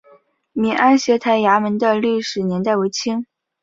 闽安协台衙门的历史年代为清。